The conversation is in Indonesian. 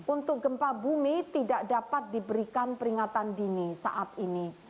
untuk gempa bumi tidak dapat diberikan peringatan dini saat ini